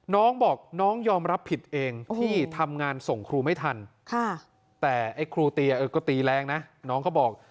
น้องบอกน้องยอมรับผิดเองที่ทำงานส่งครูไม่ทันแต่ไอ้ครูตีก็ตีแรงนะน้องเขาบอก